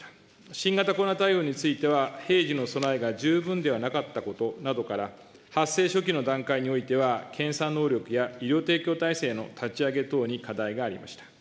新型コロナ対応については、平時の備えが十分ではなかったことなどから、発生初期の段階においては、検査能力や医療提供体制の立ち上げ等に課題がありました。